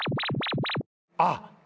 あっ！